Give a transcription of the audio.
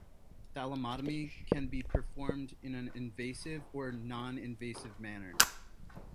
Thalamotomy can be performed in an invasive or non-invasive manner.